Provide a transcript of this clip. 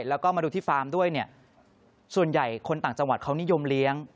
แล้วก็มาดูที่ฟาร์มด้วยเนี่ยส่วนใหญ่คนต่างจังหวัดเขานิยมเลี้ยง